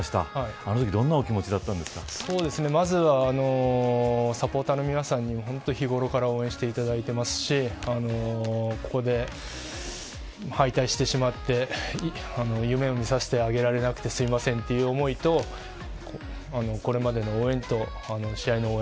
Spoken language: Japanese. あのときまずはサポーターの皆さんに本当に日頃から応援していただいていますしここで敗退してしまって夢を見させてあげられなくてすいませんという思いとこれまでの応援と試合の応援